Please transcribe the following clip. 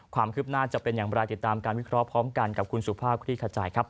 ความคืบหน้าจะเป็นอย่างไรติดตามการวิเคราะห์พร้อมกันกับคุณสุภาพคลี่ขจายครับ